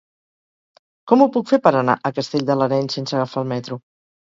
Com ho puc fer per anar a Castell de l'Areny sense agafar el metro?